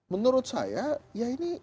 menurut saya ya ini